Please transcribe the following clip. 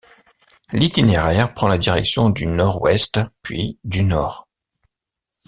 L'itinéraire prend la direction du nord-ouest puis du nord.